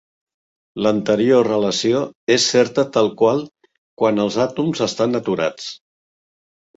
L'anterior relació és certa tal qual quan els àtoms estan aturats.